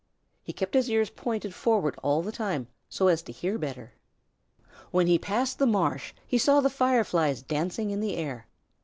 He kept his ears pointed forward all the time so as to hear better. When he passed the marsh he saw the Fireflies dancing in the air.